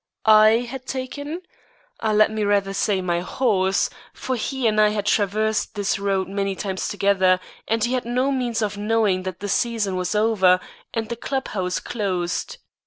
I had taken? Let me rather say, my horse; for he and I had traversed this road many times together, and he had no means of knowing that the season was over and the club house closed.